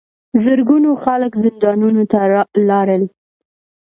زرګونه خلک زندانونو ته لاړل.